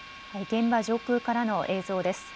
現場上空からの映像です。